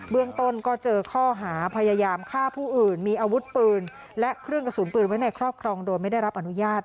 เรื่องต้นก็เจอข้อหาพยายามฆ่าผู้อื่นมีอาวุธปืนและเครื่องกระสุนปืนไว้ในครอบครองโดยไม่ได้รับอนุญาต